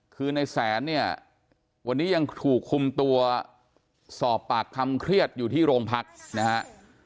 คือในแสนเนี่ยวันนี้ยังถูกคุมตัวสอบปากคำเครียดอยู่ที่โรงพักนะฮะ